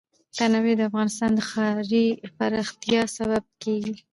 تنوع د افغانستان د ښاري پراختیا سبب کېږي.